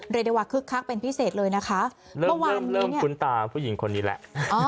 เรดวะคึกคักเป็นพิเศษเลยนะคะเมื่อวันนี้เนี้ยเริ่มเริ่มคุณตาผู้หญิงคนนี้แหละ